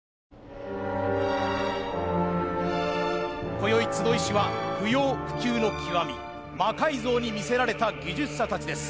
こよい集いしは不要不急の極み魔改造に魅せられた技術者たちです。